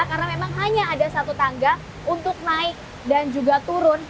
karena memang hanya ada satu tangga untuk naik dan juga turun